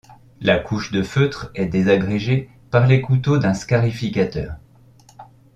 La couche de feutre est désagrégée par les couteaux d'un scarificateur.